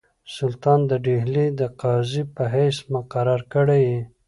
سلطان د ډهلي د قاضي په حیث مقرر کړی یې.